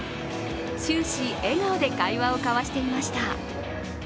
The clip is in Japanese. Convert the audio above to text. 終始、笑顔で会話を交わしていました。